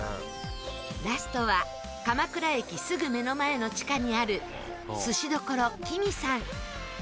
ラストは鎌倉駅すぐ目の前の地下にあるすし処きみさん。